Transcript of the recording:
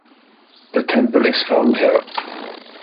The temple is found here.